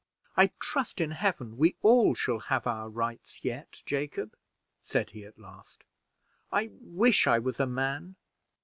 "I trust in Heaven we all shall have our rights yet, Jacob," said he at last. "I wish I was a man!"